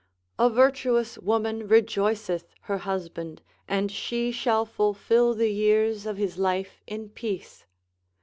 A virtuous woman rejoiceth her husband, and she shall fulfil the years of his life in peace.